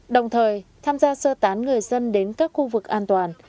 đồng thời tham gia sơ tán người dân đến các khu vực an toàn